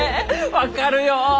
分かるよ！